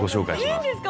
いいんですか？